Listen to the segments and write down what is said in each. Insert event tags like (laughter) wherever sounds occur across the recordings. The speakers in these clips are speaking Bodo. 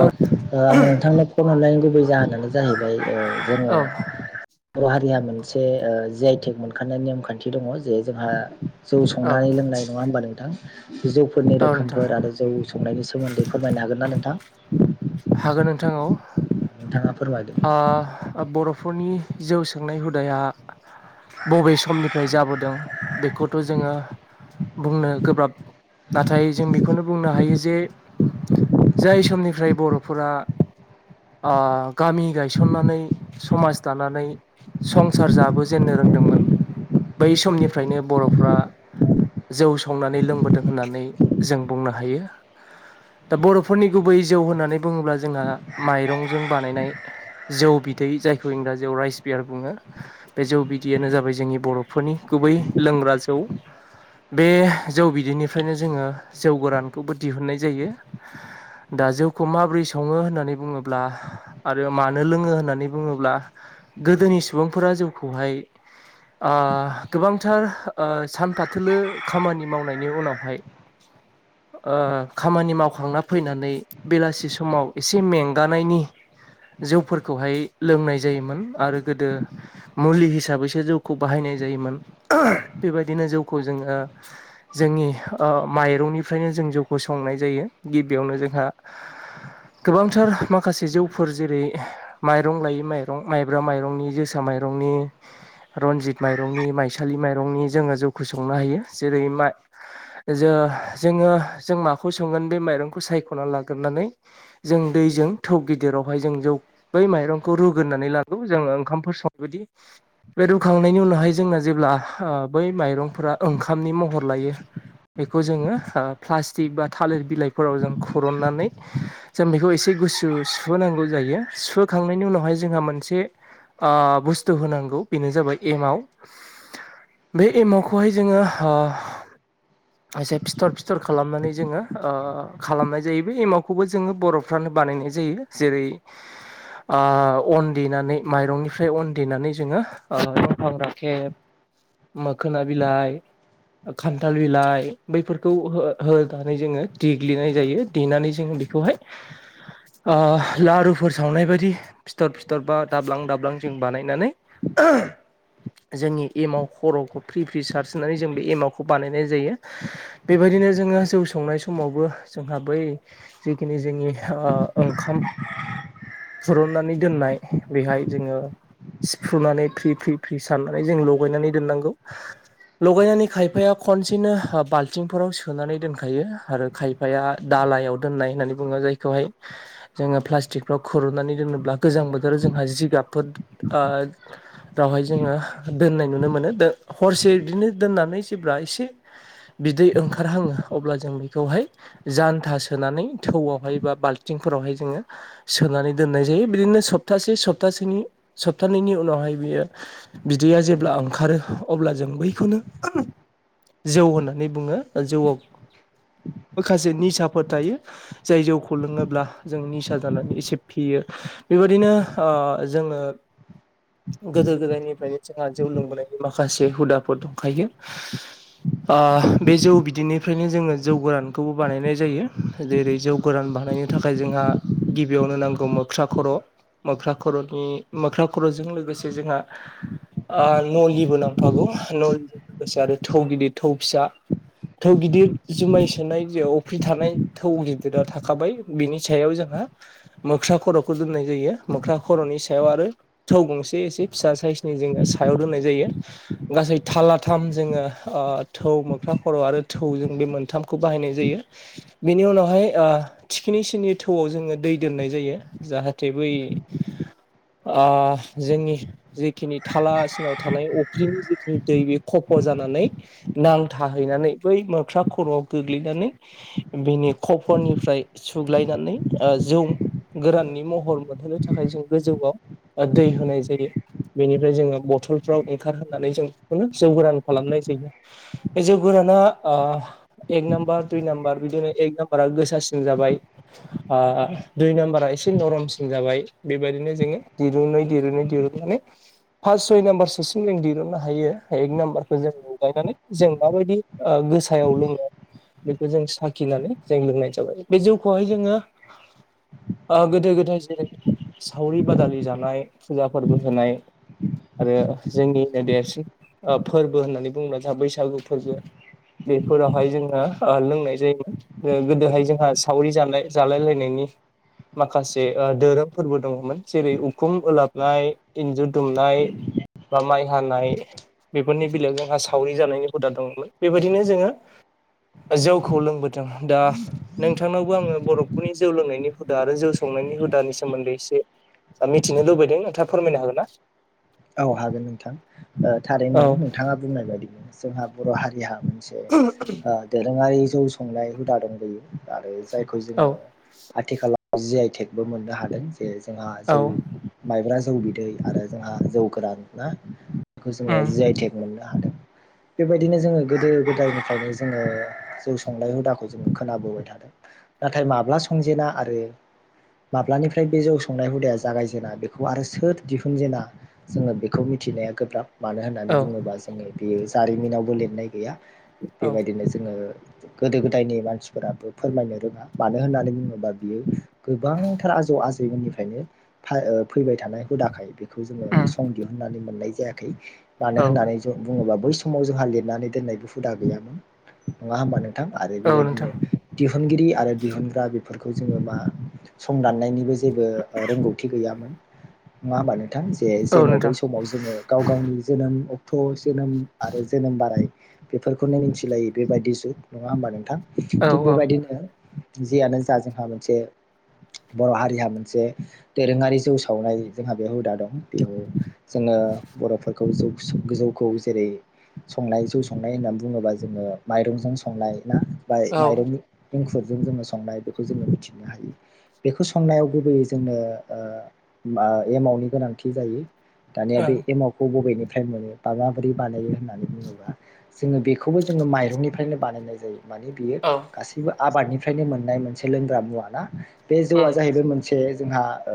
औ आङो नोंथांनो फन हरलायनायनि गुबै जाहोनानो जाहै ओ जोङो औ बर' हारिया मोनसे ओ जि आइटेक मोनखानायनाय नेम खान्थि दङ जे जोंहा जौ औ संनानै लोंनाय नङा होमबा नोंथां? जौफोरनि औ नोंथां रोखोमफोर आरो जौ संनायनि सोमोन्दै फोरमायनो हागोन ना नोंथां? हागोन नोंथां नोंथाङा फोरमायदो औ ओ-ओ बर' फोरनि जौ सोंनाय हुदाया बबे समनिफ्राय जाबोदों बेखौथ' जोङो बुंनो गोब्राब नाथाय जों बेखौनो बुंनो हायो जे जाय सोमनिफ्राय बर'फोरा ओ गामि गायसननानै समाज दानानै। संसार जाबोजेननो रोंदोंमोन बै समनिफ्रायनो बर'फ्रा जौ संनानै लोंबोदों होननानै जों बुंनो हायो। दा बर'फोरनि गुबै जौ होननानै बुङोब्ला जोंहा माइरंजों बानायनाय। जौ बिदै जायखौ इंराजियाव राइस बियार बुङो बे जौ बिदैयानो जाबाय जोंनि बर'फोरनि गु गुबै लोंग्रा जौ। बे जौ बिदैनिफ्रायनो जोङो जौ गोरानखौबो दिहुनन्नाय जायो। दा जौ खौ माबोरै सङो होननानै बुङोब्ला आरो मानो लोङो होननानै बुङोब्ला गोदोनि सुबुंफोरा जौ खौहाय ओ गोबांथार ओ सानफाथोलो खामानि मावनायनि उनावहाय (inaudible) ओ खामानि मावखांना फैनानै बेलासि समाव एसे मेंगानायनि जौफोरखौहाय लोंनाय जायोमोन आरो गोदो मुलि हिसाबैसो जौखौ बाहायनाय जायोमोन बेबायदिनो जौखौ जोङो जोंनि ओ माइरंनिफ्रायनो जों जौखौ संनाय जायो गिबियावनो जोंहा गोबांथार माखासे जौफोर जेरै माइरं लायै माइरं माइब्रा माइरंनि जोसा माइ माइरंनि रनजित माइरंनि माइसालि माइरंनि जोंङो जौखौ संनो हायो जेरै माइ जों जोंङो जों माखौ सोंगोन बे माइरंखौ सायख'ना ला नानै जों दैजों थौ गिदिरावहाय जों जौ बै माइरंखौ रुग्रोननानै लाग जों ओंखामफोर संनायबायदि बे रुखांनायनि उनावहाय जोंना जेब्ला ओ बै माइरंफोरा ओंखामनि महर लायो। बेखौ जोंङो प्लास्टिक बा थालिर बिलाइफोराव जों खुरननानै जों बेखौ एसे गुसु सुहोनांगौ जायो सुहोखांनायनि उनावहाय जोंहा मोनसे आ बुस्थु होनांगौ बेनो जाबाय एमाव बे एमावखौ खौहाय जोंङो ओ एसे फिथर फिथर खालामनानै जोंङो ओ खालामनाय जायो। बे एमावखौबो जोंङो बर'फ्रानो बानायनाय जायो जेरै ओ अन देनानै माइरंनिफ्राय अन देनानै जोंङो दफां राखेब मोखोन बिलाय खान्थाल बिलाइ बैफोरखौ होनानै जोंङो देग्लिनाय जायो। देनानै जों बेखौहाय ओ लारुफोर सावनाय बायदि फिथर फिथर बा दाब्लां दाब्लां जों बानायनानै ओह जोंनि एम आव खर'खौ फ्रि फ्रि सार्ज होननानै जों बे एम आव खौ बानायनाय जायो बेबायदि बिनो जोंङो जौ संनाय समावबो जोंहा बै जिखिनि जोंनि ओ ओंखाम खुरुननानै दोननाय। बिहाय जोंङो सिफ्रुनानै फ्रि फ्रि फ्रि साननानै जों लगायनानै दोननांगौ लगायनानै खायफाया खनसेनो बाल्थिंफोराव सोनानै दोनखायो आरो खायफाया दालायाव दोन्नाय होननानै बुंङो जायखौहाय जोंङो प्लास्टिक फाव खुरुनानै दोनोब्ला गोजां बोथोर जोंहा जिगाबफोरहाय जोंङो दोननाय नुनो मोनो हसे बिदिनो दोननानै जेब्ला एसे बिदै ओंखारहङो अब्ला जों बेखौहाय जान्था सोनानै थौआवहाय बा बाल्थिंफोरावहाय जोंङो सोनानै दोननाय जायो बिदिनो सब सप्तासे सप्तासेनि सप्तानैैनि उनावहाय बियो बिदैया जेब्ला ओंखार खारो अब्ला जों बैखौनो जौ होननानै बुंङो जौआव माखासे निसाफोर थायो जाय जौखौ लोंङोब्ला जों निसा जानानै एसे फियो बे बिदिनो ओ जोंङो गोदो गोदायनिफ्रायनो जोंहा जौ लोंबोनायनि माखासे हुदाफोर दंखायो। आह बे जौ बिदैनिफ्रायनो जोंङो जौ गोरान बेखौबो बानायनाय जायो जेरै जौ गोरान बानायनो थाखाय जोंहा गिबियावनो नांगौ मोख्रा खर'। मोख्रा खर'नि मोख्रा खर'जों लोगोसे जोंहा आ नलिबो नांफागौ नलिजों लोगोसे आरो थौ गिदिर थौ फिसा थौ गिदिर जुमायस नाय अफ्रि थानाय थौ गिदिरा थाखाबाय बिनि सायाव जोंहा मोख्रा खर'खौ दोननाय जायो मोख्रा खर'नि सायाव आरो थाव गंसे एसे फिसा साइसनि जोंङो सायाव दोननाय जायो। गासै थालाथाम जोंङो ओ थौ मोख्रा खर' आरो थौजों बे मोनथाम खौ बाहायनाय जायो बेनि उनावहाय ओ थिखिनिसिनि थौआव जोंङो दै दोननाय जायो। जाहाथे बै ओ जोंनि जिखिनि थालासिनाव थानाय अख्रिनि जिखिनि दै बे खब फ जानानै नांथाहैनानै बै मोख्रा खर'आव गोग्लैनानै बिनि खफनिफ्राय सुग्लायनानै ओ जौ गोरान नि महर मोनहोनो थाखाय जों गोजौआव ओ दै होनाय जायो। बेनिफ्राय जोङो बथलफ्राव ओंखारहनानै जों बेखौनो जौ गोरान खालामनाय जायो बे जौ गोरान (unintelligible) ओ एक नाम्बार दुइ नाम्बार बिदिनो एक नाम्बारा गोसासिन जाबाय आ दुइ नाम्बारा एसे नरमसिन जाबाय बेबायदिनो जोङो दिरुनै दिरुनै दिरुननानै फास सय नाम्बार सोसिम जों दिरुननो हायो एक नाम्बारखौ जों लुगायनानै जों माबायदि ओ गोसायाव लों बेखो जों साखिनानै जों लोंनाय जाबाय बे जौखौहाय जोङो ओ गोदो गोदाय जेरै सावरि बादालि जानाय फुजा फोर्बो होनाय आरो जोंनिनो देरसिन ओ फोर्बो होननानै (unintelligible) बैसागु फोर्बो। बेफोराव हाय जोंङो ओ लोंनाय जायोमोन गोदोहाय जोंहा सावरि जानाय जालाय लायनायनि माखासे ओ धोरोम फोर्बो दङमोन जेरै उखुम ओलाबनाय इन्जुर दुमनाय बा माइ हानाय बेफोरनि बेलायाव जोंहा सावरि जानायनि हुदा दंमोन बेबायदिनो जोङो जौ खौ लोंबोदों दा नोंथांनावबो आङो बर' नखुनि जौ लोंनायनि हुदा आरो जौ संनायनि हुदानि सोमोन्दै एसे ओ मिथिनो लुबैदों नोंथाङा फोरमायनो हागोन ना। औ हागोन नोंथां ओ थारैनो औ नोंथाङा बुंनाय बायदि जोंहा बर' हारिहा मोनसे ओ दोरोङारि जौ संनाय हुदा दं बेयो आरो जायखौ औ जोङो आथिखालाव जि आइ टेकबो मोननो हादों जे जोंहा जौ औ माइब्रा जौ बिदै आरो जोंहा जौ गोरान ना बेखौ जोङो उम जि आइ टेक मोनो हादों। बेबायदिनो जोङो गोदो गोदायनिफ्रायनो जोङो जौ संनाय हुदाखौ जों खोनाबोबाय थादों। नाथाय माब्ला संजेना आरो माब्लानिफ्राय बे जौ संनाय हुदाया जागायजेना बेखौ आरो सोर दिहुनजेना जोङो बेखौ मिथिनाया गोब्राब मानो होननानै औ बुङोबा जोङो बेयो जारिमिनावबो लिरनाय गैया। औ बेबायदिनो जोङो गोदो गोदायनि मानसिफोराबो फोरमायनो रोङा मानो होननानै बुङोबा बियो गोबांथार आजौ आजैमोननिफ्रायनो थायओ फैबाय थानाय हुदाखाय बेखौ जों उम जों दिहुननानै मोननाय जायाखै मानो औ होननानै जों बुङोबा बै समाव जोंहा लिरनानै दोननायबो हुदा गैयामोन नङा होमबा नोंथां आरो औ बेबायदिनो नोंथां दिहुनगिरि आरो दिहुनग्रा बेफोरखौ जोङो मा संना नायनिबो जेबो ओ रोंगौथि गैयामोन नङा होमबा नोंथां जे औ जेन' बै नोंथां समाव जोङो गाव गावनि जोनोम अक्ट' जोनोम आरो जोनोम बाराय बेफोरखौनो मिथिलायि बेबायदि जुग नङा होमबा नोंथां औ थिग बेबायदिनो जियानो जा जोंहा मोनसे बर' हारिहा मोनसे दोरोङारि जौ सावनाय जोंहा बे हुदा दं बेयाव जोङो बर'फोरखौ जौ गोजौखौ जेरै संनाय जौ संनाय होननानै बुङोबा जों ओ माइरंजों संनाय ना बा औ माइरंनि एंखुरजों जोङो संनाय बेखौ जोङो मिथिनो हायो बेखौ संनायाव गुबैयै जोंनो ओ मा एमावनि गोनांथि जायो दानिया औ बे एमाव खौ बबेनि फ्राय मोनो बा गाबोरै बानायो होननानै बुङोबा जोङो बेखौबो जोङो माइरंनिफ्रायनो बानायनाय जायो। माने बियो औ गासैबो आबादनिफ्रायनो मोननाय मोनसे लोंग्रा मुवा ना बे जौआ उम जाहैबाय मोनसे जोंहा ओ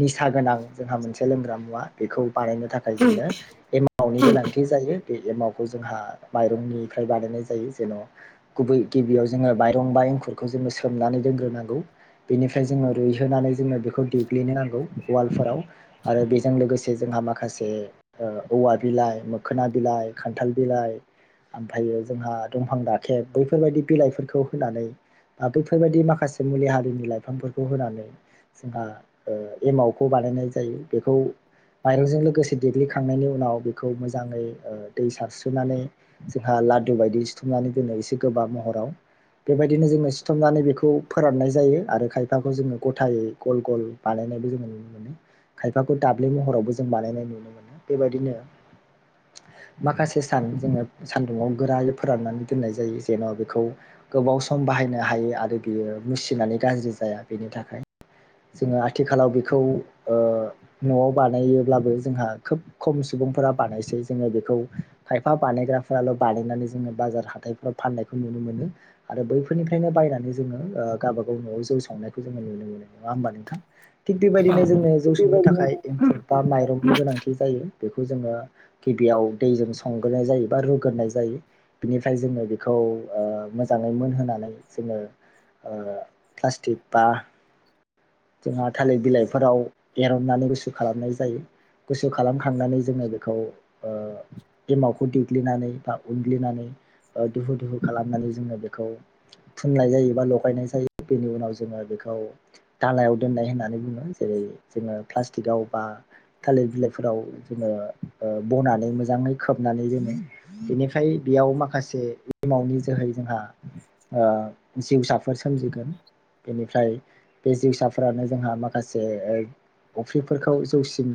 निसा गोनां। जोंहा मोनसे लोंग्रा मुवा बेखौ बानायनो थाखाय जोंनो एमावनि गोनांथि जायो। बे एमावखौ जोंहा माइरंनिफ्राय बानायनाय जायो जेन' गुबै गिबियाव जोङो माइरं बाय एंखुरखौ जोङो सोमनानै दोनग्रोनांगौ। बेनिफ्राय जोङो रुइहोनानै जोङो बेखौ देग्लिनो नांगौ वालफोराव आरो बेजों लोगोसे जोंहा माखासे ओ औवा बिलाइ मोखोना बिलाइ खान्थाल बिला इ ओमफायो जोंहा दंफां दाखेब बैफोरबायदि बिलाइफोरखौ होनानै आ बैफोरबायदि माखासे मुलि हारिनि लाइफांफोरखौ होनानै जोंहा ओ एमावखौ बानायनाय जायो बेखौ माइरंजों लोगोसे देग्लिखांनायनि उनाव बेखौ मोजाङै ओ दै सारस्रुनानै जोंहा लादु बायदि सिुथुमनानै दोनो एसे गोबाब महराव बेबायदिनो जोङो सिथमनानै बेखौ फोराननाय जायो आरो खायफाखौ जोङो गथायै गल गल बानाय बनायबो जोङो नुनोमोनो खायफाखौ दाब्ले महरावबो जों बानायनाय नुनो मोनो बेबायदिनो। (inaudible) माखासे सान जोङो सान्दुंङाव गोरायै फोराननानै दोननाय जायो जेन' बेखौ गोबाव सम बा बाहायनो हायो आरो बियो मुसिनानै गाज्रि जाया बेनि थाखाय जोङो आथिखालाव बेखौ ओ न'आव बानायोबब्लाबो जोंहा खोब खम सुबुंफोरा बानायसै जोङो बेखौ खायफा बा बानायग्राफोराल' बानायनानै जोङो बाजार हााइफोराव फाननायखौ नुनो मोनो आरो बैफोरनिफ्रायनो बायनानै जोङो ओ गावबा गाव न'आव जौ संनायखौ जोङो नुनो मोनो। नङा होमबा नोंथां थिग औ बेबायदिनो जोंनो जौ संनो थाखाय बेबायदिनो एंखुर बा माइरंनि गोनांथि जायो। बेखौ जोङो गिबियाव दैजों संग्रोनाय जायो बा रुग्रोनाय जायो। बिनिफ्राय जोङो बेखौ ओ मोजाङै मोनहोनानै जोङो ओ फ्लास्टिक बा जोंहा थालिर बिलाइफोराव एरननानै गुसु खालामनाय जायो। गुसु खालामखांनानै जोङो बेखौ ओ एमावखौ देग्लिनानै बा उनग्लिनानै ओ दुहु दुहु खालामनानै जोङो बेखौ फुननाय जायो बा लगायनाय जायो बेनि उनाव जोङो बेखौ दालायाव दोननाय होननानै बुङो जेरै जोङो प्लास्टिकआव बा थालिर बिलाइफोराव जोङो ओ बनानै मोजाङै खोब नानै जोङो बेनिखाय बेयाव माखासे एमावनि जोहै जोंहा ओ जिउसाफोर सोमजिगोन बेनिफ्राय बे जिउसाफोरानो जोंहा माखासे ओ अफ्रिफोरखौ जौसिम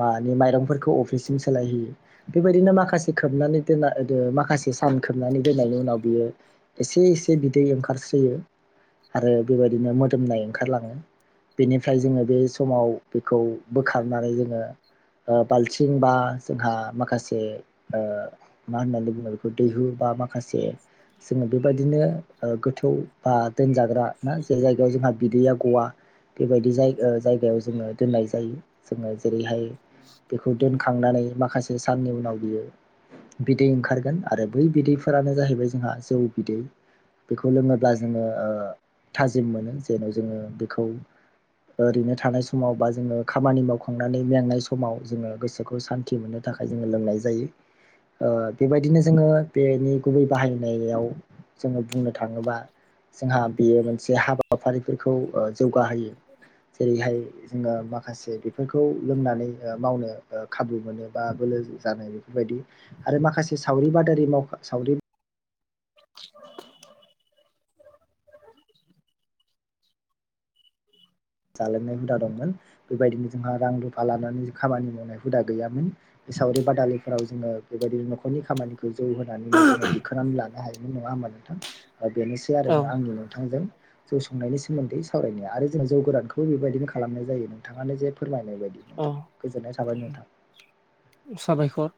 मानि माइरंफोरखौ अफ्रिसिम सोलायहैयो बेबायदिनो माखासे खोब खोबनानै दोनना माखासे सान खोबनानै दोननायनि उनाव बियो एसे एसे बिदै ओंखारस्रियो आरो बेबायदिनो मोदोमनाय ओंखारलाङो। बेनिफ्राय जोङो बे समाव बेखौ बोखारनानै जोङो ओ बालथिं बा जोंहा माखासे ओ मा होननानै बुङो बेखौ दैहु बा मा माखासे जोङो बेबायदिनो ओ गोथौ बा दोनजाग्रा ना जे जायगायाव जोंहा बिदैया गवा बेबायदि जाय ओ जायगायाव जोङो दोननाय जायो जोङो जेरैहाय बेखौ दोनखांनानै माखासे साननि उनाव बियो बिदै ओंखारगोन आरो बै बिदैफोरानो जाहैबाय जोंहा जौ बिदै । बेखौ लोङोब्ला जोङो ओ थाजिम मोनो। जेन' जोङो बेखौ ओरैनो थानाय समाव बा जोङो खामानि मावखांनानै मेंनाय समाव जोङो गोसोखौ सान्थि मोननो थाखाय जोङो लोंनाय जायो। ओ बेबायदिनो जोङो बेनि गुबै बाहायनायाव जोङो बुंनो थाङोबा जोंहा बेयो मोनसे हाबा हाबाफारिफोरखौ ओ जौगाहोयो जेरैहाय जोङो माखासे बेफोरखौ लोंनानै ओ मावनो खाबु ओ मोनो बा बोलो जानो बेफोरबायदि आरो माखासे सावरि बादारि माव सावरि (inaudible) जालोंनाय हुदा दंमोन बेबायदिनो जोंहा रां रुफा लानानै खामानि मावनाय हुदा गैयामोन सावरि बादालिफोराव जोङो बेबायदिनो नखरनि खामानिखौ जौ होनानैनो जोङो दिखांनानै लानो हायोमोन नङा होमबा नोंथां बेनोसै आरो औ आंनि नोंथांजों जौ संनायनि सोमोन्दै सावरायनाया आरो जों जौ गोरान खौ बेबायदिनो खालामनाय जायो नोंथांङानो जे फोरमायनाय बायदि औ नोंथां गोजोननाय थाबाय नोंथां साबायखर